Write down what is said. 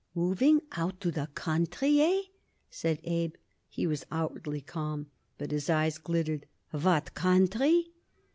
"Moving out to the country, hey?" said Abe. He was outwardly calm, but his eyes glittered. "What country?"